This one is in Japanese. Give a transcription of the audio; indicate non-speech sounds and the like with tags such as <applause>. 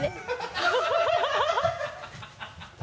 ハハハ <laughs>